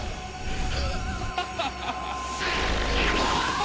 ハハハハ！